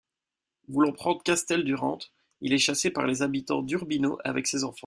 Voulant prendre Casteldurante, il est chassé par les habitants d'Urbino avec ses enfants.